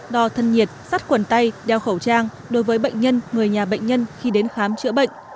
đo thân nhiệt sắt quần tay đeo khẩu trang đối với bệnh nhân người nhà bệnh nhân khi đến khám chữa bệnh